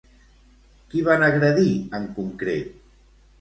Qui van agredir, en concret?